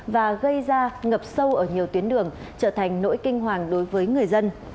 và gây ra ngập sâu ở nhiều tuyến đường trở thành nỗi kinh hoàng đối với người dân